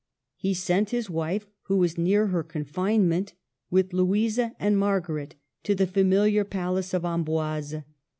He sent his wife, who was near her confinement, with Louisa and Margaret, to the familiar palace of Amboise.